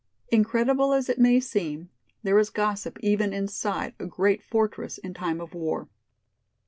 Incredible as it may seem, there is gossip even inside a great fortress in time of war.